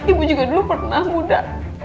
ibu juga dulu pernah muda